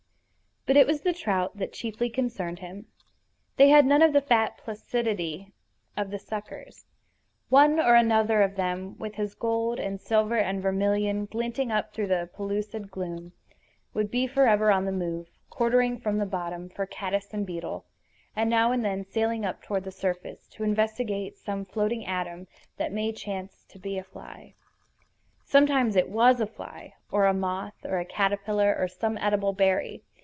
But it was the trout that chiefly concerned him. They had none of the fat placidity of the suckers. One or another of them, with his gold and silver and vermilion glinting up through the pellucid gloom, would be forever on the move, quartering the bottom for caddis and beetle, and now and then sailing up toward the surface to investigate some floating atom that may chance to be a fly. Sometimes it was a fly, or a moth, or a caterpillar or some edible berry.